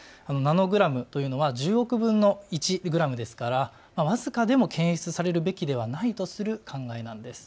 ナノグラムというのは１０億分の１グラムですから僅かでも検出されるべきではないとする考えなんです。